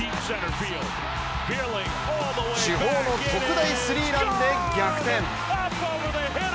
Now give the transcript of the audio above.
主砲の特大スリーランで逆転。